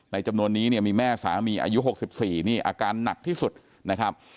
จำนวนนี้เนี่ยมีแม่สามีอายุ๖๔นี่อาการหนักที่สุดนะครับ